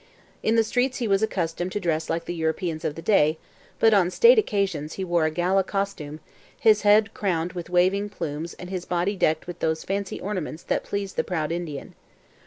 In the streets he was accustomed to dress like the Europeans of the day, but on state occasions he wore a gala costume, his head crowned with waving plumes and his body decked with those fancy ornaments that pleased the proud Indian.